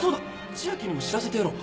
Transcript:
千秋にも知らせてやろう。